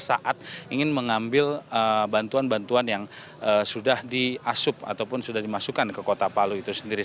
saat ingin mengambil bantuan bantuan yang sudah diasup ataupun sudah dimasukkan ke kota palu itu sendiri